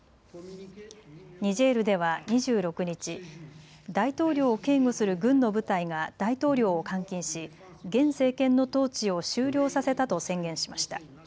ニジェールでは２６日、大統領を警護する軍の部隊が大統領を監禁し、現政権の統治を終了させたと宣言しました。